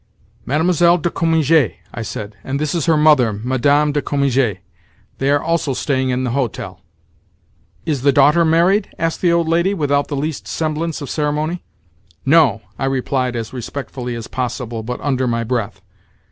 "Mlle. de Cominges," I said. "And this is her mother, Madame de Cominges. They also are staying in the hotel." "Is the daughter married?" asked the old lady, without the least semblance of ceremony. "No," I replied as respectfully as possible, but under my breath.